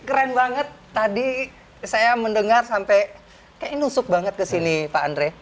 ini keren banget tadi saya mendengar sampai kayaknya nusuk banget ke sini pak andre